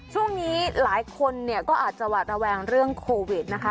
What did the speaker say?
ช่วงนี้หลายคนเนี่ยก็อาจจะหวาดระแวงเรื่องโควิดนะคะ